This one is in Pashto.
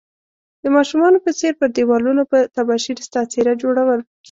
د ماشومانو په څير پر ديوالونو په تباشير ستا څيره جوړول